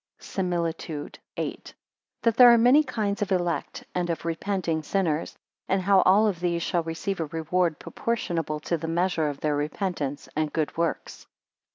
SIMILITUDE VIII. That there are many kinds of elect, and of repenting sinners: and how all of these shall receive a reward proportionable to the measure of their repentance and good works.